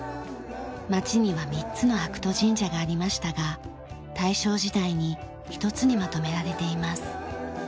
町には３つの白兎神社がありましたが大正時代に一つにまとめられています。